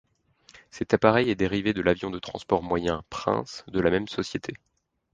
Cet appareil est dérivé de l’avion de transport moyen Prince de la même société.